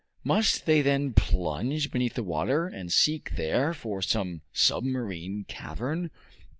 Must they then plunge beneath the water and seek there for some submarine cavern?